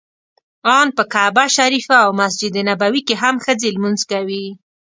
ان په کعبه شریفه او مسجد نبوي کې هم ښځې لمونځ کوي.